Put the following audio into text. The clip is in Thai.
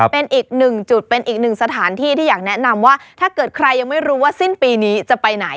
เป็นอีกหนึ่งจุดเป็นอีกหนึ่งสถานที่ที่อยากแนะนำว่าถ้าเกิดใครยังไม่รู้ว่าสิ้นปีนี้จะไปไหน